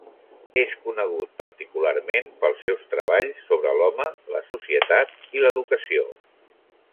És conegut, particularment, pels seus treballs sobre l'home, la societat i l'educació.